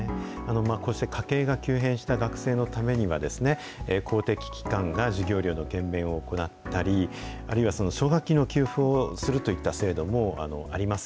こうして家計が急変した学生のためには、公的機関が授業料の減免を行ったり、あるいはその奨学金の給付をするといった制度もあります。